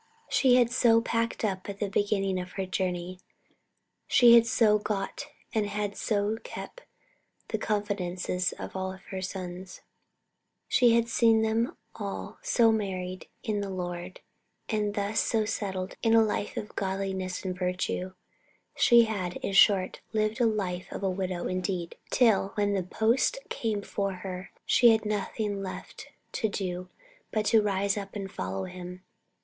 She had so packed up at the beginning of her journey; she had so got and had so kept the confidences of all her sons; she had seen them all so married in the Lord, and thus so settled in a life of godliness and virtue; she had, in short, lived the life of a widow indeed, till, when the post came for her, she had nothing left to do but just to rise up and follow him.